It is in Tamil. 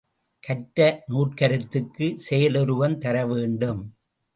கற்ற நூற்கருத்துக்குச் செயலுருவம் தரவேண்டும்.